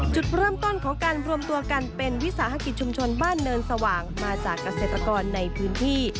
จุดเริ่มต้นของการรวมตัวกันเป็นวิสาหกิจชุมชนบ้านเนินสว่างมาจากเกษตรกรในพื้นที่